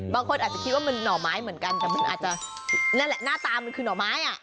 บางคนอาจจะคิดว่ามันหน่อไม้เหมือนกันแต่มันอาจจะนั่นแหละหน้าตามันคือหน่อไม้อ่ะ